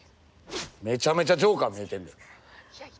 めちゃめちゃジョーカー見えてんで。